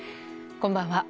こんばんは。